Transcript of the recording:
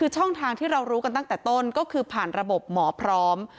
ช่องทางที่เรารู้กันตั้งแต่ต้นก็คือผ่านระบบหมอพร้อม